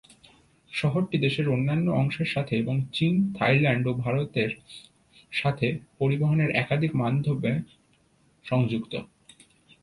শহরটি দেশের অন্যান্য অংশের সাথে এবং চীন, থাইল্যান্ড ও ভারতের সাথে পরিবহণের একাধিক মাধ্যমে সংযুক্ত।